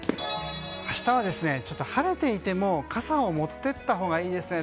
明日は晴れていても傘を持っていったほうがいいですね。